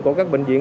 của các bệnh viện